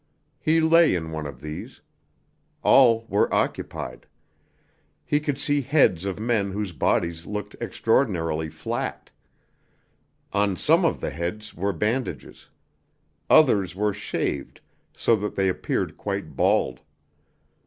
He lay in one of these. All were occupied. He could see heads of men whose bodies looked extraordinarily flat. On some of the heads were bandages. Others were shaved, so that they appeared quite bald.